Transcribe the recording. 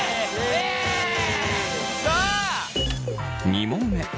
２問目。